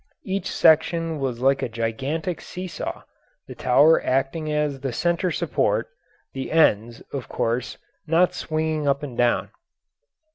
Each section was like a gigantic seesaw, the tower acting as the centre support; the ends, of course, not swinging up and down.